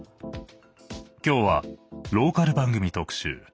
今日はローカル番組特集。